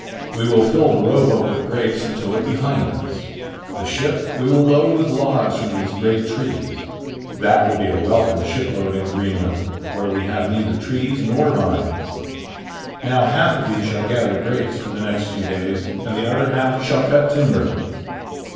We will fill the rowboat with grapes and tow it behind us. The ship we will load with logs from these great trees. That will be a welcome shipload in Greenland, where we have neither trees nor vines. Now half of you shall gather grapes for the next few days, and the other half shall cut timber."